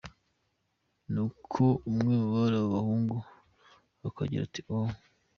Ni uko umwe muri abo bahungu akagira ati: "Oh.